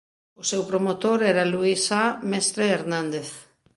O seu promotor era Luis A. Mestre Hernández.